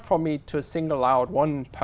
có thể tạo ra những kết hợp